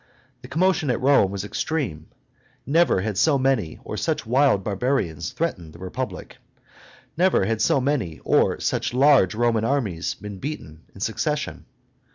The commotion at Rome was extreme; never had so many or such wild barbarians threatened the Republic; never had so many or such large Roman armies been beaten in succession.